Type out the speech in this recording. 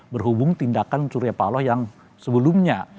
berhubung tindakan surya paloh yang sebelumnya